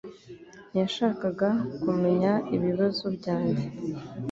ntiyashakaga kumenya ibibazo byanjye